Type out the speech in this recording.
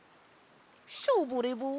ショボレボン。